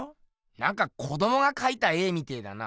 なんか子どもがかいた絵みてえだな。